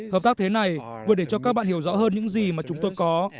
hợp tác thế này vừa để cho các bạn hiểu rõ hơn những gì mà chúng tôi có